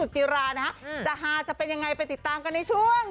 จะหาจะเป็นยังไงไปติดตามกันในช่วง